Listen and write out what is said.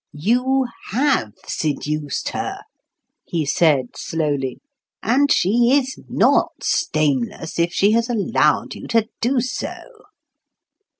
"You have seduced her," he said slowly. "And she is not stainless if she has allowed you to do so."